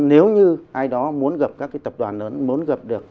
nếu như ai đó muốn gặp các tập đoàn lớn muốn gặp được những cái